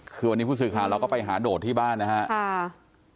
คือพี่สุสิฟะและไปหาโดดที่บ้านนะครับ